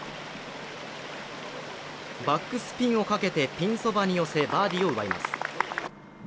バックスピンをかけてピンそばに寄せバーディーを奪います。